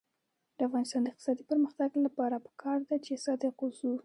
د افغانستان د اقتصادي پرمختګ لپاره پکار ده چې صادق اوسو.